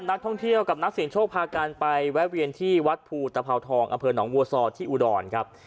นักท่องเที่ยวกับนักเสียงโชคพากันไปแวะเวียนที่วัดภูตภาวทองอำเภอหนองวัวซอที่อุดรครับ